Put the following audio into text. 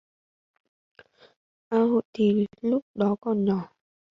A Hội thì lúc đó còn nhỏ